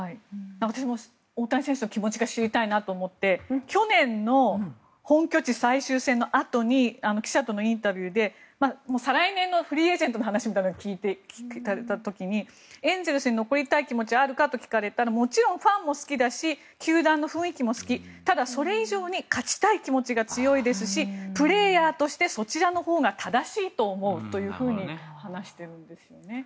私も大谷選手の気持ちが知りたいなと思って去年の本拠地最終戦のあとに記者とのインタビューで再来年のフリーエージェントの話を聞かれた時にエンゼルスに残りたい気持ちはあるかと聞かれたらもちろんファンも好きだし球団の雰囲気も好きただそれ以上に勝ちたい気持ちが強いですしプレーヤーとしてそちらのほうが正しいと思うというふうに話しているんですよね。